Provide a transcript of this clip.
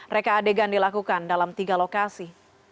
reka adegan dilakukan dalam tiga lokasi